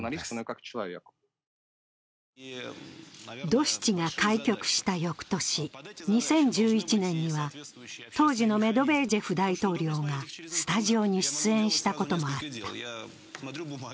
ドシチが開局した翌年、２０１１年には当時のメドベージェフ大統領がスタジオに出演したこともあった。